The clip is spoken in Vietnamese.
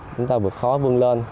chúng ta vượt khó vươn lên